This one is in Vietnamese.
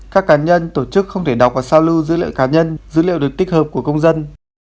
các cá nhân tổ chức không thể đọc và sao lưu dữ liệu cá nhân dữ liệu được tích hợp của công dân